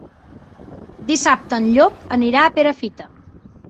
Dissabte en Llop anirà a Perafita.